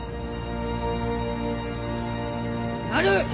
なる！